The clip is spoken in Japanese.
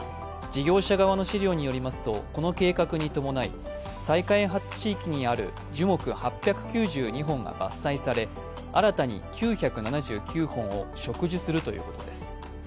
事業者側の資料によりますとこの計画に伴い再開発地域にある樹木８９２本が伐採され新たに９７９本を植樹するということです。